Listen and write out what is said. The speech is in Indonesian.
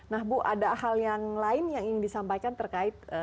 nah bu ada hal yang lain yang ingin disampaikan terkait